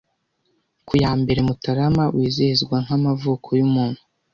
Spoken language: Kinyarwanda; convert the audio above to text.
Ku ya mbere Mutarama wizihizwa nk'amavuko y'umuntu